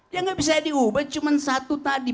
ya gak bisa diubah cuma satu tadi